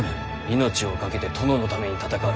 命をかけて殿のために戦う。